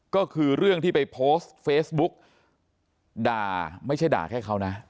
ก็คือเรื่องที่ไปโพสต์เฟซบุ๊กด่าไม่ใช่ด่าแค่เขานะ